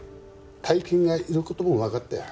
大金がいる事もわかったよ。